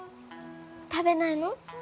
食べないの？